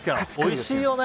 おいしいよね。